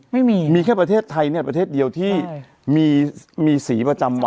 ไม่มีมีแค่ประเทศไทยเนี่ยประเทศเดียวที่มีสีประจำวัน